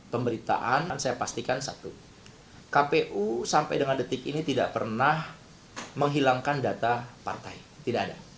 kepada kpu kpu tidak pernah menghilangkan data partai